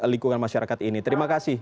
lingkungan masyarakat ini terima kasih